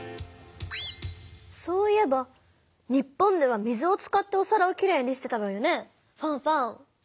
そういえば日本では水を使っておさらをきれいにしてたわよねファンファン。